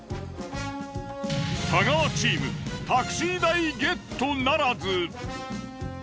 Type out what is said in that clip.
太川チームタクシー代ゲットならず。